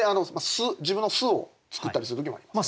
自分の巣を作ったりする時もあります。